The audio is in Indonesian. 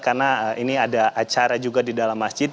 karena ini ada acara juga di dalam masjid